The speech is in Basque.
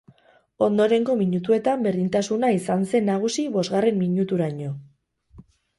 Ondorengo minutuetan berdintasuna izan zen nagusi bosgarren minuturaino.